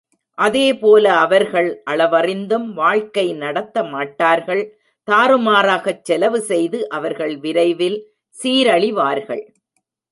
அதே போல அவர்கள் அளவறிந்தும் வாழ்க்கை நடத்தமாட்டார்கள் தாறுமாறாகச் செலவுசெய்து அவர்கள் விரைவில் சீரழிவார்கள்.